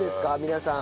皆さん。